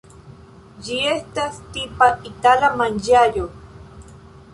Ĝi estas tipa itala manĝaĵo.